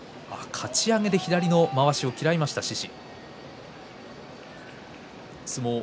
かち上げで左のまわしを嫌いました、獅司。